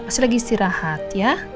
pasti lagi istirahat ya